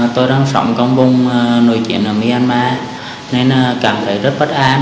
tôi đang sống trong vùng nội chiến ở myanmar nên cảm thấy rất bất an